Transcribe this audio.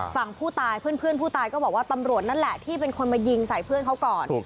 ฝั่งผู้ตายเพื่อนผู้ตายก็บอกว่าตำรวจนั่นแหละที่เป็นคนมายิงใส่เพื่อนเขาก่อน